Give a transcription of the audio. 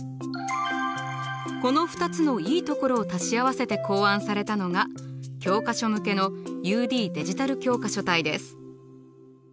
この２つのいいところを足し合わせて考案されたのが教科書向けのＵＤデジタル教科書体です。